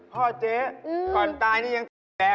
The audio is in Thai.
พ่อเจ๊ก่อนตายนี่ยังแหลงรู้ไหม